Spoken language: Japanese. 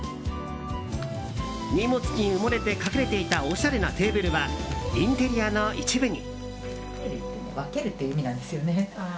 荷物に埋もれて隠れていたおしゃれなテーブルはインテリアの一部に。